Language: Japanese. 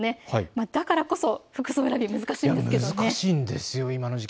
だからこそ服装選び難しいんです。